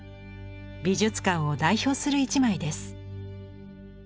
美術館を代表する一枚です。